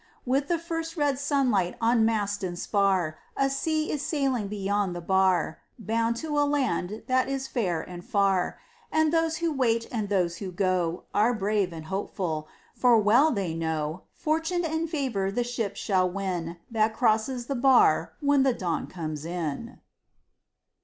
With the first red sunlight on mast and spar A ship is sailing beyond the bar, Bound to a land that is fair and far; And those who wait and those who go Are brave and hopeful, for well they know Fortune and favor the ship shall win That crosses the bar when the dawn comes in.